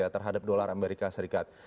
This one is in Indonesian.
terhadap dolar amerika serikat